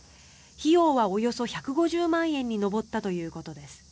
費用はおよそ１５０万円に上ったということです。